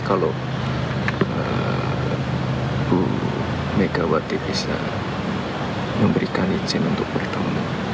kalau bu megawati bisa memberikan izin untuk bertemu